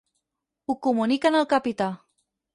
Ho comuniquen al capità.